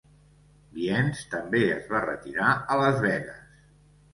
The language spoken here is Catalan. Viens també es va retirar a Las Vegas.